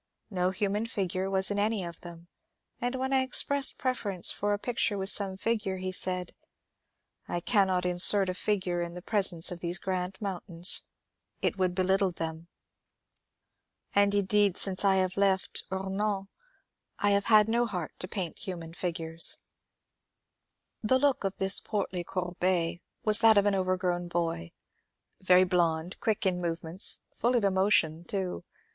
No human figure was in any of them, and when I expressed preference for a picture with some figure he said, ^' I cannot insert a figure in the presence of these grand mountains. It would belittle them. And indeed since I left Omans I have had no heart to paint human figures." The look of this portly Courbet was that of an overgrown boy, — very blond, quick in movements, full of emotion, too.